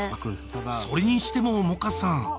それにしても萌歌さん